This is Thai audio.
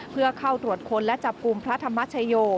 เพื่อเข้าตรวจค้นและจับกลุ่มพระธรรมชโย